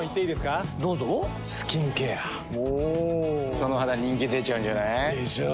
その肌人気出ちゃうんじゃない？でしょう。